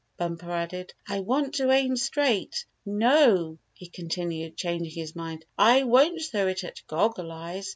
Bumper added. "I want to aim straight. No," he con tinued, changing his mind, " I won't throw it at Goggle Eyes.